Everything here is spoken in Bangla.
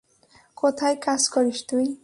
কোথায় কাজ করিস তুই?